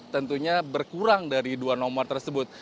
tentunya berkurang dari dua nomor tersebut